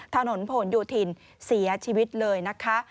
ถนนผลโยธินเสียชีวิตเลยนะคะ